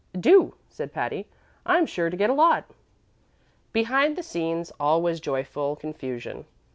"Do," said Patty. "I'm sure to get a lot." Behind the scenes all was joyful confusion.